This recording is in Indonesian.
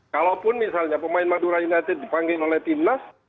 kalaupun misalnya pemain madura united dipanggil oleh timnas